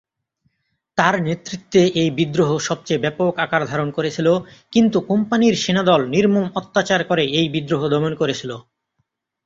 তার নেতৃত্বে এই বিদ্রোহ সবচেয়ে ব্যাপক আকার ধারণ করেছিল, কিন্তু কোম্পানির সেনাদল নির্মম অত্যাচার করে এই বিদ্রোহ দমন করেছিল।